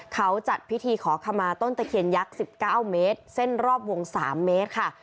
เขาจัดพิธีขอขมาต้นตะเคียนยักษ์๑๙เมตรเส้นรอบวง๓เมตรค่ะ